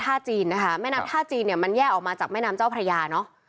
ท่าจีนนะคะแม่น้ำท่าจีนเนี่ยมันแยกออกมาจากแม่น้ำเจ้าพระยาเนอะ